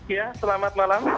ya selamat malam